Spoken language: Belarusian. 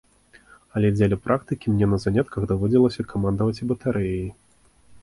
Але дзеля практыкі мне на занятках даводзілася камандаваць і батарэяй.